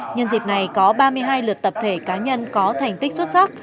nhân dịp này có ba mươi hai lượt tập thể cá nhân có thành tích xuất sắc